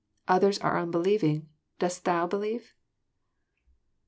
" Others are unbeliev ing. Dost thou believe